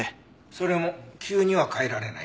それも急には変えられないよね。